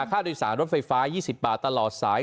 ค่าโดยสารรถไฟฟ้า๒๐บาทตลอดสาย